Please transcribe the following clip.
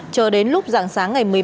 chờ đến lúc rạng sáng ngày một mươi ba